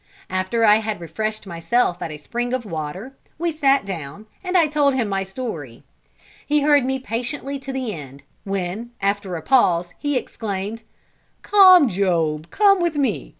After I had refreshed myself at a spring of water, we sat down, and I told him my story. He heard me patiently to the end, when, after a pause, he exclaimed "Come, Job, come with me.